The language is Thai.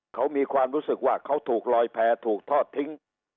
เขามีความรู้สึกว่าเขาถูกลอยแพ้ถูกทอดทิ้ง